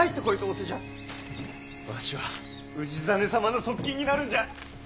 わしは氏真様の側近になるんじゃ。